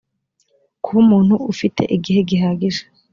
kuba umuntu ufite igihe gihagije